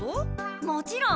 もちろん！